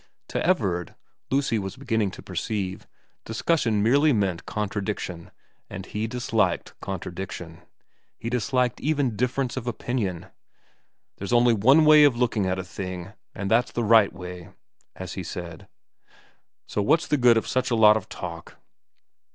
To Everard, Lucy was beginning to perceive, discussion merely meant con tradiction, and he disliked contradiction, he disliked even difference of opinion. * There's only one way of looking at a thing, and that's the right way,' as he said, ' so what's the good of such a lot of talk